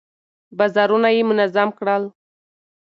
بازارونه يې منظم کړل.